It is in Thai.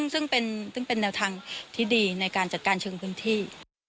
ซึ่งเป็นแนวทางที่ดีในการจัดการเชิงพื้นที่